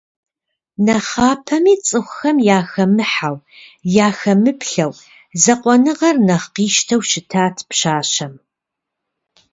Нэхъапэми цӏыхухэм яхэмыхьэу, яхэмыплъэу, закъуэныгъэр нэхъ къищтэу щытат пщащэм.